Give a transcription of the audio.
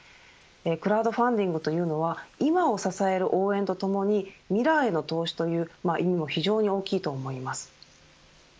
クラウドファンディングというのは今を支える応援とともに未来への投資という意味も非常に大きいと思います。